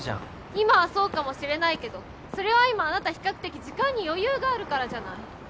・今はそうかもしれないけどそれは今あなた比較的時間に余裕があるからじゃない。